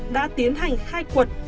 đã tiến hành khai quật